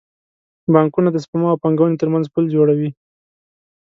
بانکونه د سپما او پانګونې ترمنځ پل جوړوي.